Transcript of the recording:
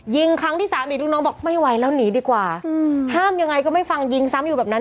ยิงครั้งที่สามอีกลูกน้องบอกไม่ไหวแล้วหนีดีกว่าห้ามยังไงก็ไม่ฟังยิงซ้ำอยู่แบบนั้น